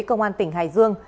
công an tỉnh hải dương